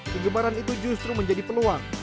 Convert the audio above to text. kegemaran itu justru menjadi peluang